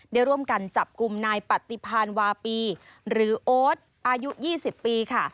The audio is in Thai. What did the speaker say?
ได้ร่วมกันจับกลุ่มนายปฏิพานวาปีหรือโอ๊ตอายุ๒๐ปีค่ะ